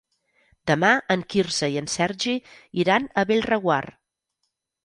Demà en Quirze i en Sergi iran a Bellreguard.